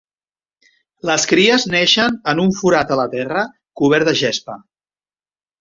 Les cries neixen en un forat a la terra cobert de gespa.